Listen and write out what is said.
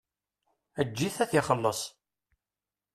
Eǧǧ-it ad t-ixelleṣ.